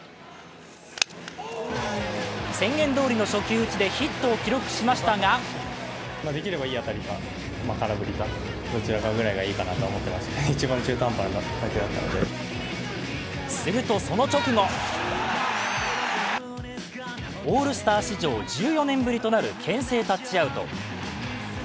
宣言どおりの初球打ちでヒットを記録しましたがするとその直後、オールスター史上１４年ぶりとなるけん制タッチアウト。